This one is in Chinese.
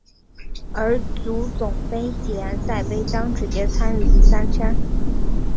而足总杯及联赛杯将直接参与第三圈。